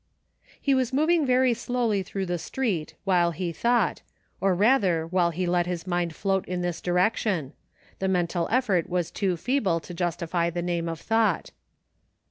He was moving very slowly through the street while he thought, or rather while he let his mind float in this direction ; the mental effort was too feeble to justify the name of thought.